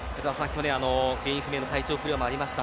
去年、原因不明の体調不良もありました。